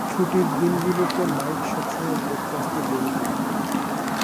ছুটির দিনগুলোতে মাইক সবসময় ব্রেকফাস্টে দেরি করত।